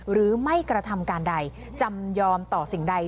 หรือไม่กระทำการใดจำยอมต่อสิ่งใด